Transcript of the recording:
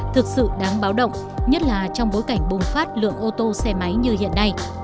thực sự đáng báo động nhất là trong bối cảnh bùng phát lượng ô tô xe máy như hiện nay